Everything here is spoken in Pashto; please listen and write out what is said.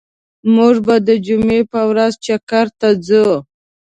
موږ به د جمعی په ورځ چکر ته ځو